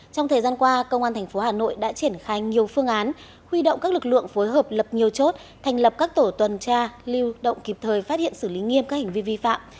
trong thời gian qua công an tp hà nội đã triển khai nhiều phương án huy động các lực lượng phối hợp lập nhiều chốt thành lập các tổ tuần tra lưu động kịp thời phát hiện xử lý nghiêm các hành vi vi phạm